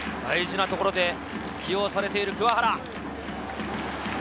大事なところで起用されている鍬原。